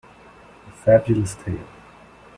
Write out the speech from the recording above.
A Fabulous tale.